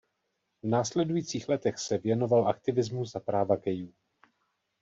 V následujících letech se věnoval aktivismu za práva gayů.